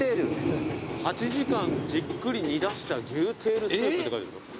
８時間じっくり煮出した牛テールスープって書いてあるよ。